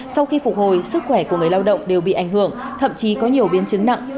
sau khi phục hồi sức khỏe của người lao động đều bị ảnh hưởng thậm chí có nhiều biến chứng nặng